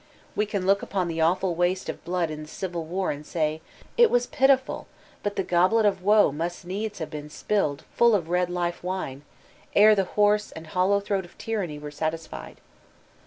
We can kx>k upon the awful waste of blood in the Civil War and say, "It was pitiful, but the goUel of woe must needs have been spilled full of red life wine, ere the hoarse and hollow throat of tyranny were satisfied.